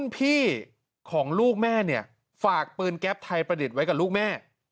พี่ของลูกแม่เนี่ยฝากปืนแก๊ปไทยประดิษฐ์ไว้กับลูกแม่